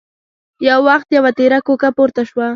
يو وخت يوه تېره کوکه پورته شوه.